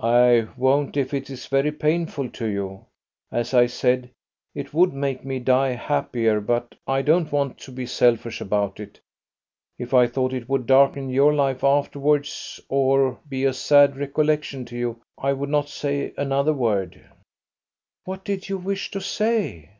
"I won't, if it is very painful to you. As I said, it would make me die happier, but I don't want to be selfish about it. If I thought it would darken your life afterwards, or be a sad recollection to you, I would not say another word." "What did you wish to say?"